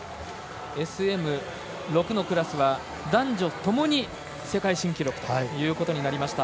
ＳＭ６のクラスは男女ともに世界新記録ということになりました。